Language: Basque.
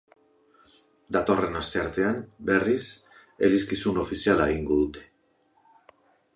Datorren asteartean, berriz, elizkizun ofiziala egingo dute.